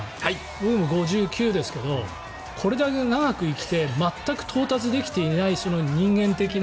僕も５９ですけどこれだけ長く生きて全く到達できていない人間的な。